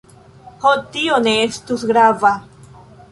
Ho, tio ne estus grava!